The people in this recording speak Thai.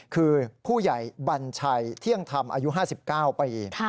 คือผู้ใหญ่บัญชัยเที่ยงธรรมอายุ๕๙ปี